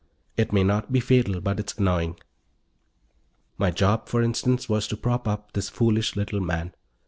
It may not be fatal, but it's annoying. My job, for instance, was to prop up this foolish little man.